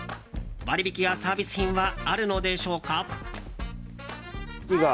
割引やサービス品はあるのでしょうか。